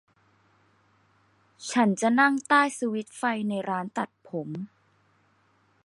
ฉันจะนั่งใต้สวิตช์ไฟในร้านตัดผม